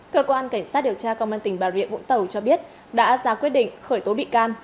cơ quan cảnh sát điều tra công an tỉnh bà rịa vũng tàu cho biết đã ra quyết định khởi tố bị can